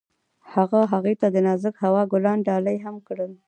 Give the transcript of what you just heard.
هغه هغې ته د نازک هوا ګلان ډالۍ هم کړل.